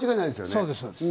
そうです。